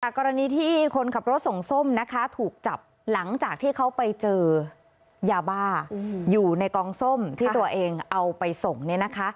กรณีที่คนขับรถส่งส้มนะคะถูกจับหลังจากที่เขาไปเจอยาบ้าอยู่ในกองส้มที่ตัวเองเอาไปส่งเนี่ยนะคะ